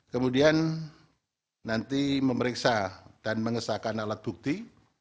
kemudian nanti memeriksa dan mengesahkan alat bukti